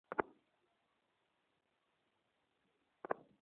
নিশ্চয়ই তোমাদের প্রতিপালক খুবই দয়াময় অর্থাৎ এ বাছুর তোমাদের প্রভু নয়।